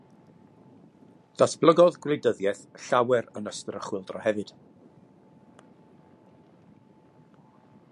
Datblygodd gwleidyddiaeth llawer yn ystod y chwyldro hefyd